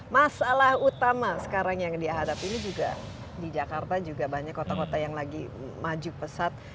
masalah utama sekarang yang dihadapi ini juga di jakarta juga banyak kota kota yang lagi maju pesat